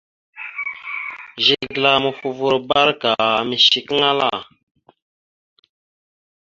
Zigəla mofoləvoro barəka ameshekeŋala.